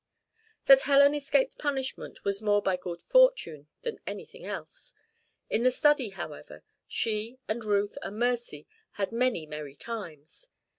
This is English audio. That Helen escaped punishment was more by good fortune than anything else. In the study, however, she and Ruth and Mercy had many merry times.